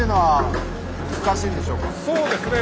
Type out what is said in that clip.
そうですね